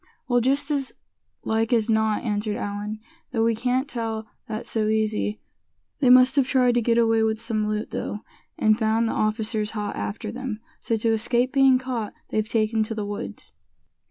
"Well, just as like as not," answered Allan; "though we can't tell that so easy. They must have tried to get away with some loot, though, and found the officers hot after them. So, to escape being caught they've taken to the woods."